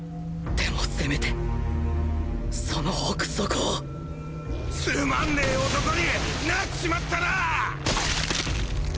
でもせめてその奥底をつまんねェ男になっちまったなァ！